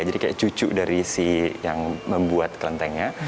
jadi kayak cucu dari si yang membuat kelentengnya